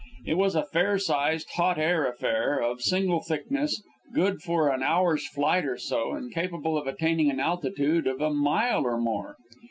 It was a fair sized, hot air affair, of single thickness, good for an hour's flight or so and capable of attaining an altitude of a mile or more.